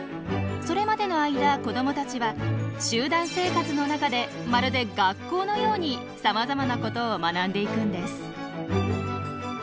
それまでの間子どもたちは集団生活の中でまるで学校のようにさまざまなことを学んでいくんです。